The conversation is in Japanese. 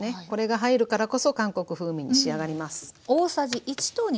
これが入るからこそ韓国風味に仕上がります。